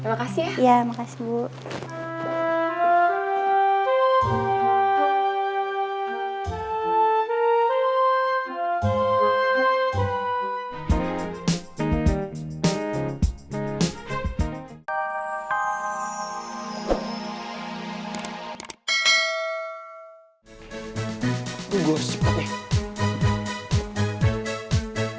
oke terima kasih ya